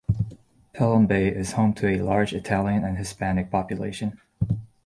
Pelham Bay is home to a large Italian and Hispanic population.